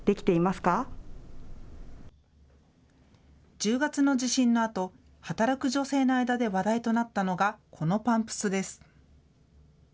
１０月の地震のあと働く女性の間で話題となったのがこのパンプスです。